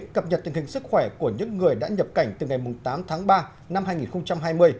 cập nhật tình hình sức khỏe của những người đã nhập cảnh từ ngày tám tháng ba năm hai nghìn hai mươi